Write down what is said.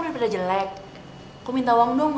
ternyata ini semua tuh ulahnya bandung